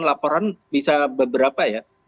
laporan bisa beberapa ya